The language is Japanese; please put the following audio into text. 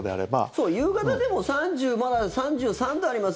そう、夕方でもまだ３３度あります